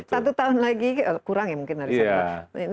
satu tahun lagi kurang ya mungkin